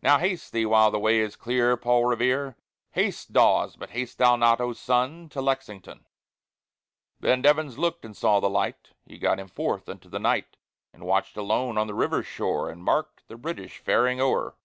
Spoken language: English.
Now haste thee while the way is clear, Paul Revere! Haste, Dawes! but haste thou not, O Sun! To Lexington. Then Devens looked and saw the light: He got him forth into the night, And watched alone on the river shore, And marked the British ferrying o'er.